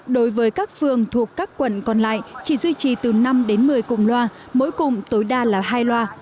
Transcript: đối với các phường thuộc các quận còn lại chỉ duy trì từ năm đến một mươi cùng loa mỗi cụm tối đa là hai loa